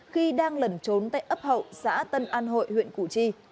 khi đang lẩn trốn tại ấp hậu xã tân an hội huyện củ chi